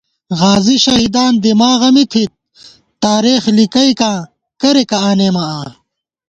غازی شہیدان دِماغہ می تھِت ، تارېخ لِکَئیکاں کریَکہ آنېمہ آں